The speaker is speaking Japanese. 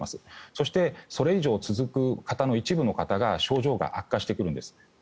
そして、それ以上続く方の一部の方が症状が悪化してくるんです。